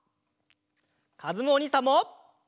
かずむおにいさんも。